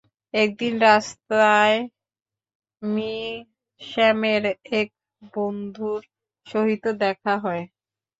একদিন রাস্তায় মি স্যামের এক বন্ধুর সহিত দেখা হয়।